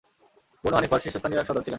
বনু হানীফার শীর্ষস্থানীয় এক সর্দার ছিলেন।